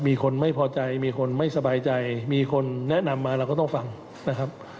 มีคนไม่พอใจมีคนไม่สบายใจมีคนแนะนำมาเราก็ต้องฟังนะครับ